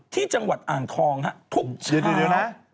ที่จังหวัดอ่างทองฮะทุกเดี๋ยวนะ